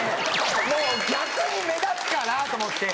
もう逆に目立つから！と思って。